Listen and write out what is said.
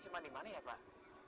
simpan dimana ya pak